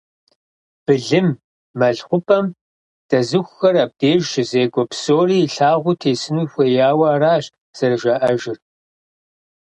Былым, мэл хъупӏэм дэзыхухэр, абдеж щызекӏуэ псори илъагъуу тесыну хуеяуэ аращ зэрыжаӏэжыр.